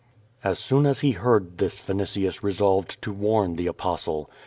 As soon as he heard this Vinitius resolved to warn the Apostle.